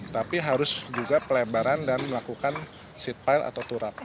tapi harus juga pelebaran dan melakukan seat pile atau turap